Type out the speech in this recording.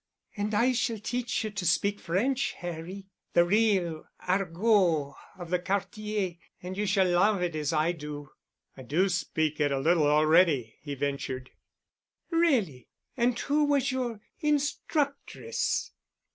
"And I shall teach you to speak French, Harry—the real argot of the Quartier—and you shall love it as I do——" "I do speak it a little already," he ventured. "Really! And who was your instructress?"